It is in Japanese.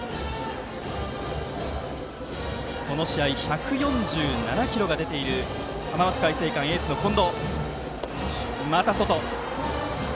この試合１４７キロが出ている浜松開誠館、エースの近藤。